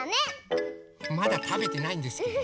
まだたべてないんですけど。